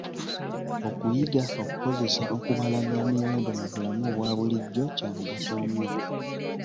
Okuyiga okukozesa okubala n’emiwendo mu bulamu obwa bulijjo kya mugaso nnyo.